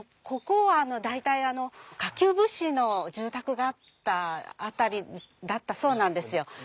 ここは大体下級武士の住宅があった辺りだったそうなんですよ。